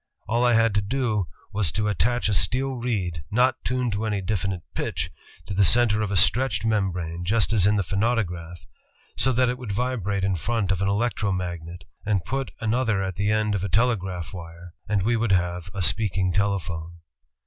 All I had to do was to attach a steel reed, not tuned to any definite pitch, to the center of a stretched membrane, just as in the phonautograph, so that it would vibrate in front of an electromagnet, and put another at the end of a telegraph wire, and we would have ... a speaking telephone."